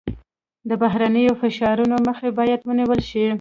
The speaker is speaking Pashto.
د بهرنیو فشارونو مخه باید ونیول شي.